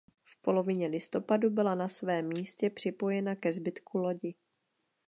V polovině listopadu byla na svém místě připojena ke zbytku lodi.